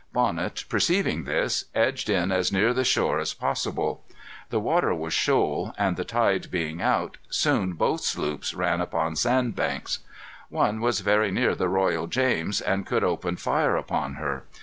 Bonnet, perceiving this, edged in as near the shore as possible. The water was shoal, and the tide being out, soon both sloops ran upon sandbanks. One was very near the Royal James, and could open fire upon her.